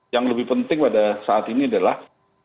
yang lebih penting pada saat ini adalah